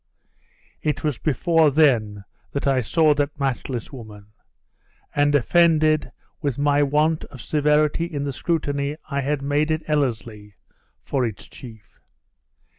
It was before then that I saw that matchless woman; and offended with my want of severity in the scrutiny I had made at Ellerslie for its chief.